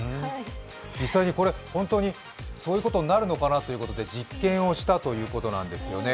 実際に本当にそういうことになるのかなということで実験をしたということなんですよね。